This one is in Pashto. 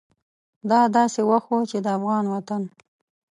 دا داسې وخت و چې د افغان وطن